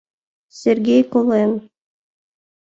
— Сергей... колен...